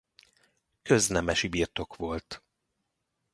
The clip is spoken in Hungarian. Köznemesi birtok volt.